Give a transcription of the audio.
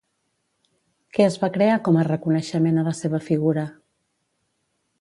Què es va crear com a reconeixement a la seva figura?